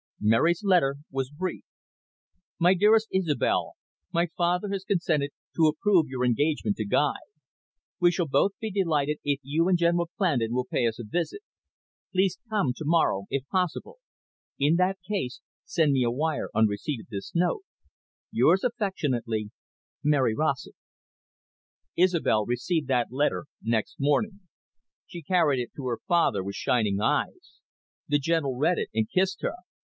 Mary's letter was brief. "My Dearest Isobel, My father has consented to approve your engagement to Guy. We shall both be delighted if you and General Clandon will pay us a visit. Please come to morrow, if possible. In that case, send me a wire on receipt of this note. "Yours affectionately, "Mary Rossett." Isobel received that letter next morning. She carried it to her father with shining eyes. The General read it, and kissed her.